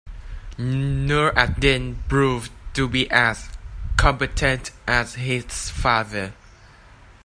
Nur ad-Din proved to be as competent as his father.